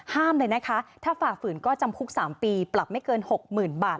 ห้ามเลยนะคะถ้าฝ่าฝืนก็จำคุก๓ปีปรับไม่เกิน๖๐๐๐บาท